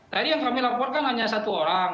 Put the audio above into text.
tadi yang kami laporkan hanya satu orang